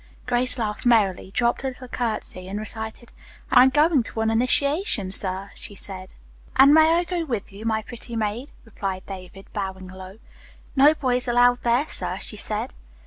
Grace laughed merrily, dropped a little curtsy and recited, "I'm going to an initiation, sir, she said." "'And may I go with you, my pretty maid?'" replied David, bowing low. "No boys allowed there, sir, she said."